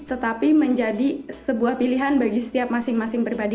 tetapi menjadi sebuah pilihan bagi setiap masing masing pribadi